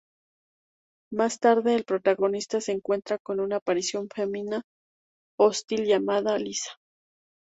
Más tarde, el protagonista se encuentra con una aparición femenina hostil llamada Lisa.